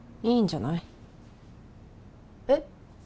いいんじゃないえっ？